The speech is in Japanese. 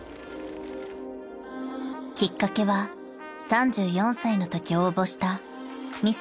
［きっかけは３４歳のとき応募したミス